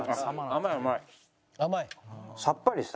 甘い甘い。